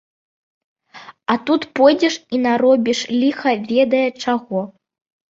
А тут пойдзеш і наробіш ліха ведае чаго.